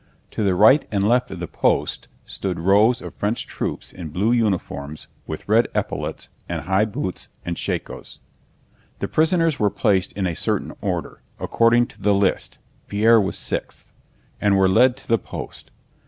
To the right and left of the post stood rows of French troops in blue uniforms with red epaulets and high boots and shakos. The prisoners were placed in a certain order, according to the list (Pierre was sixth), and were led to the post.